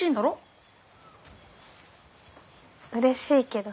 うれしいけど。